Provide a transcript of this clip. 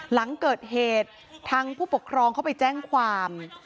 หลังเกิดเหตุทางผู้ปกครองเข้าไปแจ้งความ